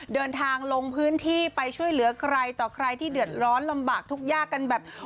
เดินทางลงพื้นที่ไปช่วยเหลือใครต่อใครที่เดือดร้อนลำบากทุกยากกันแบบ